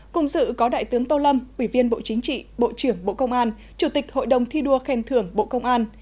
cùng dự có đại tướng tô lâm ủy viên bộ chính trị bộ trưởng bộ công an chủ tịch hội đồng thi đua khen thưởng bộ công an